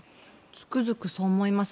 つくづくそう思います。